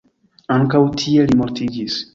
Ankaŭ tie li mortiĝis.